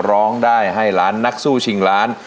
ร้องได้ให้ล้านนักสู้ชิงล้าน